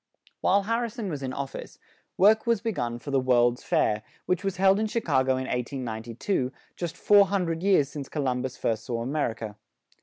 While Har ri son was in of fice, work was be gun for the "World's Fair," which was held in Chi ca go, in 1892, just four hun dred years since Co lum bus first saw A mer i ca.